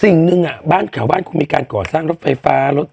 สิ่งหนึ่งบ้านแถวบ้านคุณมีการก่อสร้างรถไฟฟ้ารถ